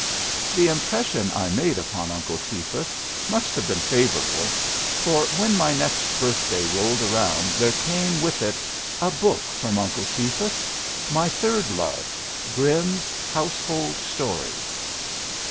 The impression I made upon Uncle Cephas must have been favorable, for when my next birthday rolled around there came with it a book from Uncle Cephas my third love, Grimm's "Household Stories."